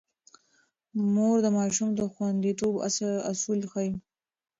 مور د ماشوم د خونديتوب اصول ښيي.